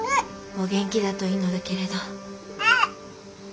お元気だといいのだけれど。